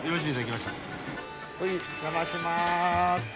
お邪魔します。